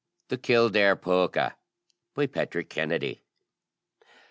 THE KILDARE POOKA. PATRICK KENNEDY.